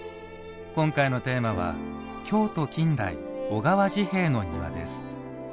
今回のテーマは「京都近代小川治兵衛の庭」です。